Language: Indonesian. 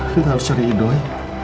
kita harus cari hiday